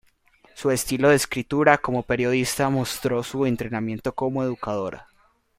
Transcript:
Su estilo de escritura como periodista mostró su entrenamiento como educadora.